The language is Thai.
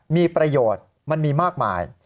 มีประโยชน์มันมีมากมาย